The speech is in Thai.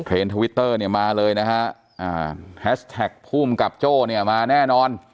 ทวิตเตอร์เนี่ยมาเลยนะฮะอ่าแฮชแท็กภูมิกับโจ้เนี่ยมาแน่นอน